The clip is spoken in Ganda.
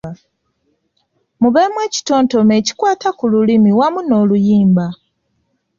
Mubeemu ekitontome ekikwata ku lulimi wamu n’oluyimba.